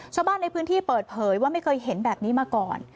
ชาวบ้านในพื้นที่เปิดเผยว่าไม่เคยเห็นแบบนี้มาก่อน